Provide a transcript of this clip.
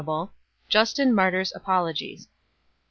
147 ? Justin Martyr s Apologies.